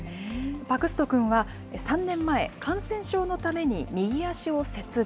パクストン君は３年前、感染症のために右足を切断。